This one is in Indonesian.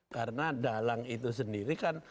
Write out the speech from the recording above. karena dalang itu sendiri kan